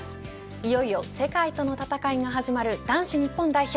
いよいよ世界との戦いが始まる男子日本代表。